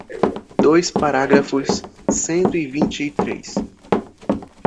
Dois parágrafos, cento e vinte e três